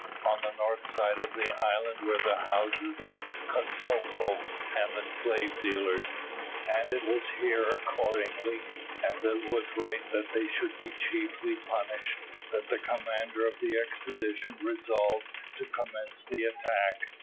On the north side of the island were the houses of Kosoko and the slave dealers, and it was here accordingly, as it was right that they should be chiefly punished, that the commander of the expedition resolved to commence the attack.